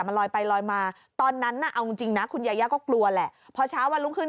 มันลอยไปลอยมาตอนนั้นน่ะเอาจริงจริงนะคุณยาย่าก็กลัวแหละพอเช้าวันรุ่งขึ้น